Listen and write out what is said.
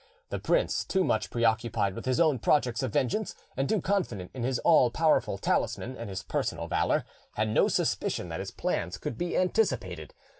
The prince, too much preoccupied with his own projects of vengeance, and too confident in his all powerful talisman and his personal valour, had no suspicion that his plans could be anticipated.